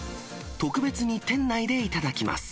特別に店内で頂きます。